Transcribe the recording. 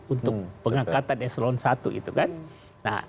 untuk pengangkatan eselon i itu kan